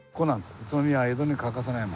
「宇都宮は“江戸”に欠かせない町？」。